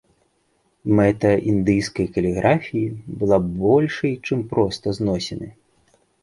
Мэта індыйскай каліграфіі была большай, чым проста зносіны.